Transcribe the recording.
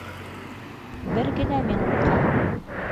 Бер генә минутҡа